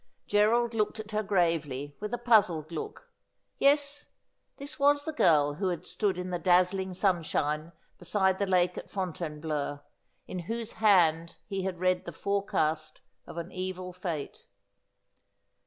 Gerald looked at her gravely, with a puzzled look. Yes ; this was the girl who had stood in the dazzling sunshine beside the lake at Fontainebleau, in whose hand he had read the forecast of an evil fate.